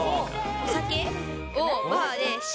お酒をバーで、し